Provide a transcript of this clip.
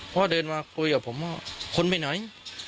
พ่อเดินมาคุยกับผมว่าคนไปไหน